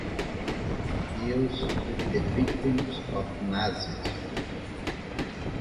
It deals with the victims of Nazism.